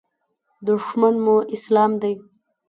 دښمن مو اسلام دی.